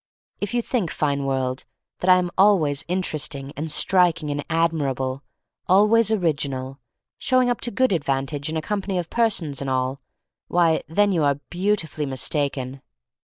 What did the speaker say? If you think, fine world, that I am always interesting and striking and ad mirable, always original, showing up to good advantage in a company of per sons, and all — ^why, then you are beau tifully mistaken.